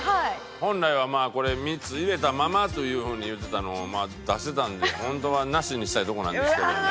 本来はまあこれ３つ入れたままという風に言ってたのを出してたんで本当はなしにしたいとこなんですけども。